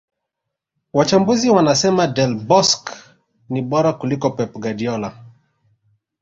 Wachambuzi wanasema Del Bosque ni bora kuliko Pep Guardiola